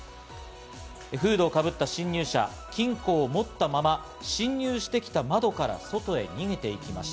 フードをかぶった侵入者、金庫を持ったまま侵入してきた窓から外に逃げていきました。